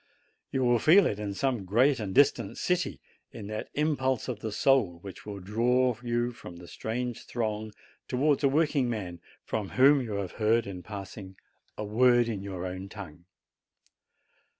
You will feel it in some great and distant city, in that impulse of the soul which will draw you from the strange throng towards a work ing man from whom you have heard in passing a word THE LOVE OF COUNTRY 109 in your own tongue.